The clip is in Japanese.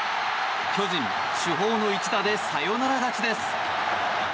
巨人、主砲の一打でサヨナラ勝ちです。